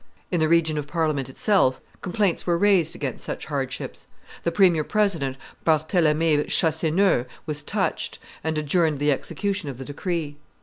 In the region of Parliament itself complaints were raised against such hardships; the premier president, Barthelemy Chassaneuz, was touched, and adjourned the execution of the decree.